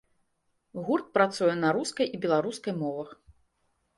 Гурт працуе на рускай і беларускай мовах.